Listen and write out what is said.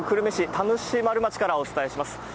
田主丸町からお伝えします。